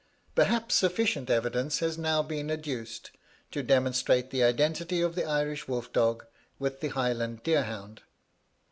"Perhaps sufficient evidence has now been adduced to demonstrate the identity of the Irish wolf dog with the Highland deer hound.